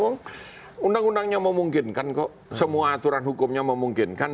undang undangnya memungkinkan kok semua aturan hukumnya memungkinkan